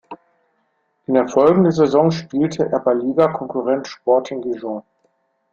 In der folgenden Saison spielte er bei Ligakonkurrent Sporting Gijón.